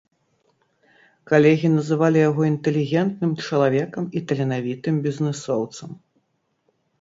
Калегі называлі яго інтэлігентным чалавекам і таленавітым бізнэсоўцам.